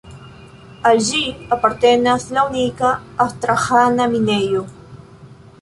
Al ĝi apartenas la unika Astraĥana minejo.